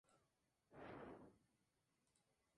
Debutó en un amistoso frente a Estados Unidos.